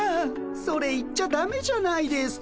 それ言っちゃだめじゃないですか。